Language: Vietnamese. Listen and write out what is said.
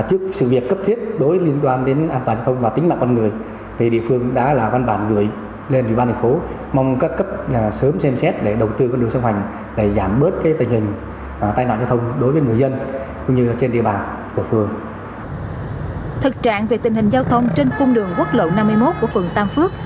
thực trạng về tình hình giao thông trên cung đường quốc lộ năm mươi một của phường tam phước